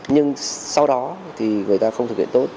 nhưng sau đó thì người ta không thực hiện tốt